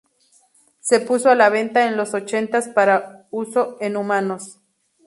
Se puso a la venta en los ochentas para uso en humanos.